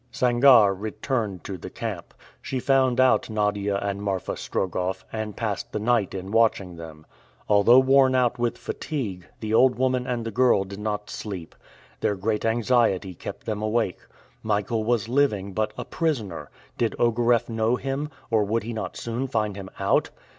Sangarre returned to the camp. She found out Nadia and Marfa Strogoff, and passed the night in watching them. Although worn out with fatigue, the old woman and the girl did not sleep. Their great anxiety kept them awake. Michael was living, but a prisoner. Did Ogareff know him, or would he not soon find him out?